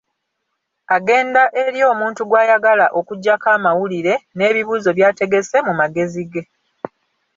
Agenda eri omuntu gw'ayagala okuggyako amawulire, n'ebibuuzo by'ategese mu magezi ge.